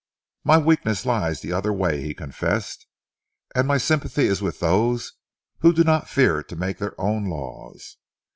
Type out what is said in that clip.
"My weakness lies the other way," he confessed, "and my sympathy is with those who do not fear to make their own laws."